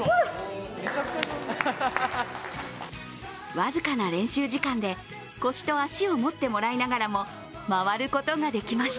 わずかな練習時間で腰と足を持ってもらいながらも回ることができました。